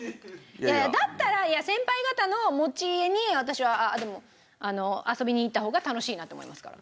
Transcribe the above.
いやいやだったら先輩方の持ち家に私はでも遊びに行った方が楽しいなと思いますから。